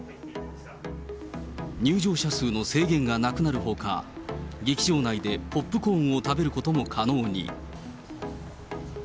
入場者数の制限がなくなるほか、劇場内でポップコーンを食べることも可能に。